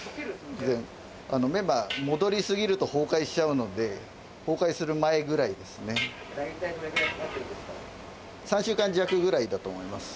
メンマ戻りすぎると崩壊しちゃうので崩壊する前ぐらいですね３週間弱ぐらいだと思います